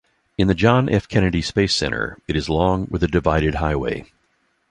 In the John F. Kennedy Space Center, it is long with a divided highway.